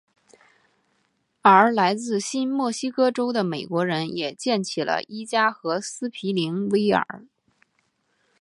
而来自新墨西哥州的美国人也建起了伊加和斯皮灵威尔。